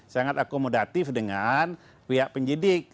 sangat akomodatif dengan pihak penyidik